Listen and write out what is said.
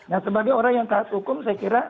nah sebagai orang yang taat hukum saya kira